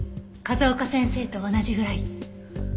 風丘先生と同じぐらい。